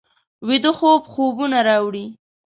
ویده خوب خوبونه راوړي